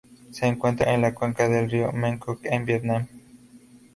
Se encuentra en la cuenca del río Mekong en Vietnam.